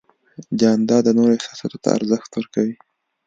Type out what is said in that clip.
جانداد د نورو احساساتو ته ارزښت ورکوي.